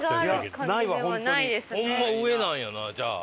ホンマ上なんやなじゃあ。